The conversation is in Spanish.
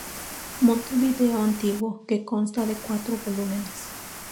Montevideo antiguo", que consta de cuatro volúmenes.